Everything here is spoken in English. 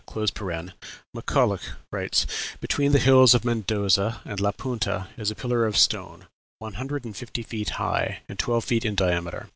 169), McCullough writes, "Between the hills of Mendoza and La Punta is a pillar of stone one hundred and fifty feet high, and twelve feet in diameter."